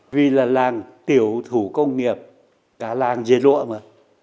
vì là làng tiểu thủ công nghiệp cả làng dệt lụa mà